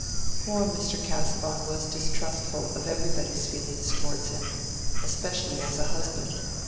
Poor Mr. Casaubon was distrustful of everybody's feeling towards him, especially as a husband.